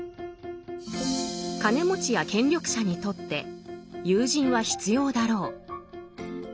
金持ちや権力者にとって友人は必要だろう。